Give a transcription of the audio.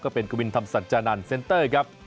เป็นกวินธรรมสัจจานันเซ็นเตอร์ครับ